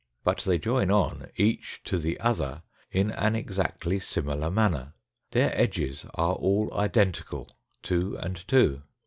But they join on each to the other in an exactly similar manner; their edges are all identical two and two.